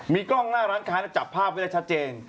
มีกล้องหน้าร้านค้าจับภาพไว้ได้ชัดเจน